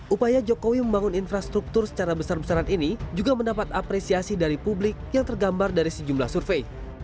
upaya jokowi membangun infrastruktur secara besar besaran ini juga mendapat apresiasi dari publik yang tergambar dari sejumlah survei